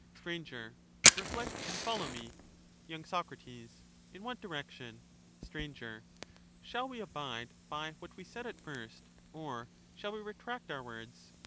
Str, Reflect ; and follow me. y. Soc, In what direction ? Str. Shall we abide by what we said at first, or shall we retract our words